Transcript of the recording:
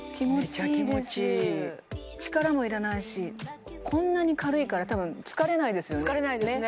めちゃ気持ちいい力もいらないしこんなに軽いからたぶん疲れないですよね疲れないですね